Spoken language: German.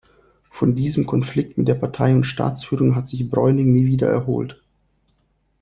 Von diesem Konflikt mit der Partei- und Staatsführung hat sich Bräunig nie wieder erholt.